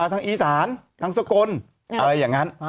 ทางอีสานทางสกลอะไรอย่างนั้น